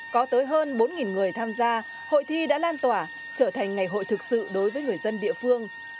có tới hơn bốn người tham gia hội thi đã lan tỏa trở thành ngày hội thực sự đối với người dân địa phương